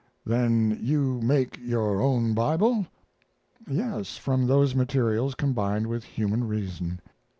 "Then you make your own Bible?" "Yes, from those materials combined with human reason."